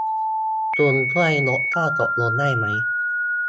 คุณช่วยลดข้อตกลงได้ไหม ?